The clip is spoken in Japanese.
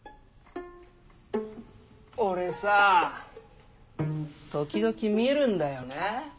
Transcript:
オレさぁ時々見るんだよね。